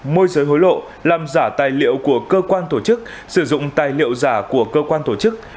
môi giới hối lộ làm giả tài liệu của cơ quan tổ chức sử dụng tài liệu giả của cơ quan tổ chức